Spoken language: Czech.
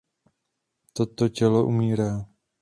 Toto tělo umírá.